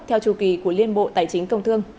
theo chủ kỳ của liên bộ tài chính công thương